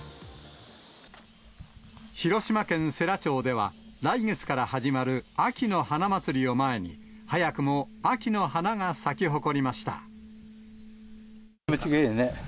広島県世羅町では、来月から始まる秋の花まつりを前に、早くも秋の花が咲き誇りまし気持ちがいいよね。